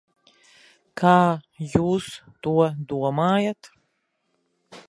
Kā jūs to domājat?